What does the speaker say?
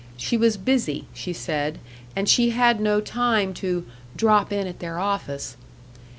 She was busy, she said, and she had no time to "drop in at their office."